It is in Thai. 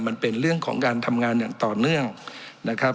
มันเป็นเรื่องของการทำงานอย่างต่อเนื่องนะครับ